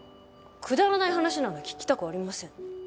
くだらない話なら聞きたくありません。